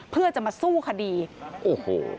เพื่อจะมาสู้คดีโอ้โห